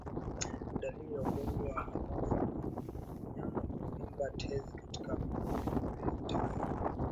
Dalili ya ugonjwa wa mapafu ni mnyama kuvimba tezi katika pembe ya taya